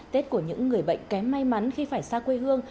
tết của những người bệnh kém may mắn khi phải xa quê hương